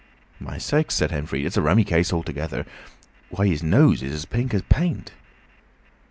"My sakes!" said Henfrey. "It's a rummy case altogether. Why, his nose is as pink as paint!"